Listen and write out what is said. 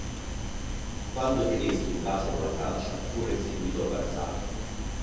Quando i tedeschi invasero la Francia, fu restituito a Varsavia.